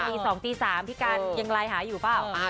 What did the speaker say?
ตีสองตีสามพี่กัลยังไหลหาอยู่เปล่า